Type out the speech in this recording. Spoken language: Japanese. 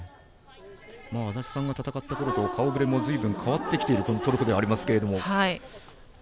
安達さんが戦ったころと顔ぶれもだいぶ変わってきているトルコではありますけれども。